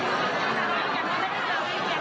คุณผู้สามารถได้คิดคุณผู้สามารถได้คิดคุณผู้สามารถได้คิด